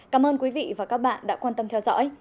cảm ơn quý vị và các bạn đã quan tâm theo dõi